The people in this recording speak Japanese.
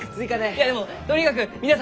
いやもうとにかく皆さん